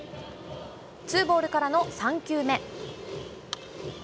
ツーボールからの３球目。